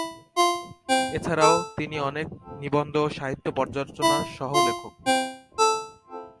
এছাড়াও তিনি অনেক নিবন্ধ ও সাহিত্য পর্যালোচনার সহ-লেখক।